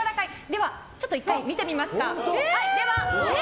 ではちょっと１回見てみますか。